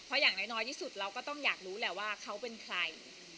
เพราะอย่างน้อยที่สุดเราก็ต้องอยากรู้แหละว่าเขาเป็นใคร